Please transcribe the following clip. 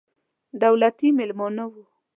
دولتي مېلمانه وو.